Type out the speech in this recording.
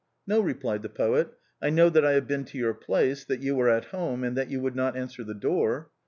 " No, replied the poet. "I know that I have been to your place, that you were at home, and that you would not answer the door."